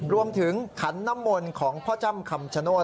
รวมถึงขันน้ำมลของพ่อจำคำชโนธ